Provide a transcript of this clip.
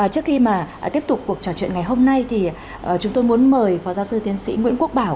trước khi mà tiếp tục cuộc trò chuyện ngày hôm nay thì chúng tôi muốn mời phó giáo sư tiến sĩ nguyễn quốc bảo